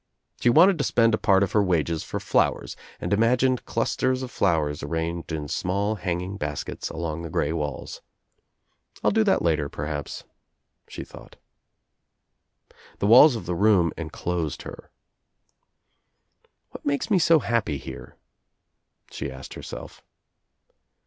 She wanted to spend a part of her wages for flowers and imagined clusters of flowers arranged in small hanging baskets along the grey walls. "I'll do that later, perhaps," she thought, The walls of the room enclosed her. "What makes me so happy here?" she asked herself.